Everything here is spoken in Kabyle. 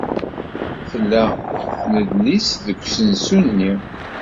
Tella tnedlist deg usensu-nni?